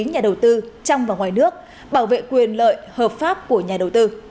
nhà đầu tư trong và ngoài nước bảo vệ quyền lợi hợp pháp của nhà đầu tư